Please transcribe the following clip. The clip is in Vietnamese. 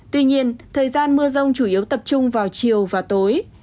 tuy nhiên thời gian mưa rông chủ yếu tập trung vào chiều và tối